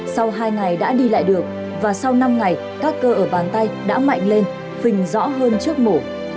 sau hai ngày đã đi lại được và sau năm ngày các cơ ở bàn tay đã mạnh lên phình rõ hơn trước mổ